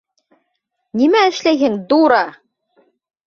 Нимә эшләйһең, дура!